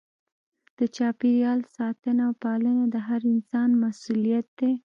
د چاپیریال ساتنه او پالنه د هر انسان مسؤلیت دی.